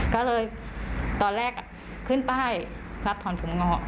ก็เลยตอนแรกขึ้นป้ายรับถอนผมงอก